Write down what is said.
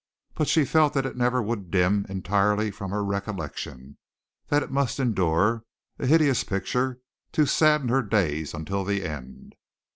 But she felt that it never would dim entirely from her recollection, that it must endure, a hideous picture, to sadden her days until the end.